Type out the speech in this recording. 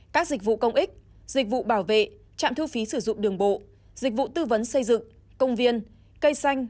các dịch vụ công ích dịch vụ bảo vệ trạm thu phí sử dụng đường bộ dịch vụ tư vấn xây dựng công viên cây xanh